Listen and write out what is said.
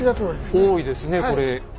多いですねこれ。